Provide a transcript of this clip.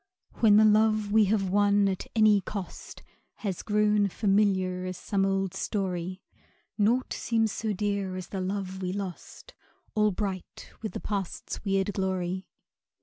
When the love we have won at any cost Has grown familiar as some old story, Naught seems so dear as the love we lost, All bright with the Past's weird glory.